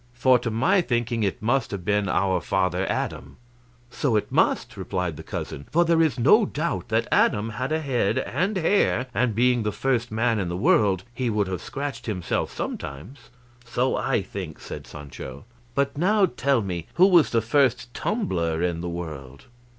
For to my thinking it must have been our father Adam." "So it must," replied the cousin; "for there is no doubt but Adam had a head and hair; and being the first man in the world he would have scratched himself sometimes." "So I think," said Sancho; "but now tell me, who was the first tumbler in the world?"